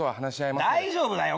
大丈夫だよ。